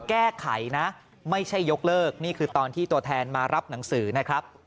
แก้ไขนะไม่ใช่ยกเลิกนี่คือตอนที่ตัวแทนมารับหนังสือนะครับ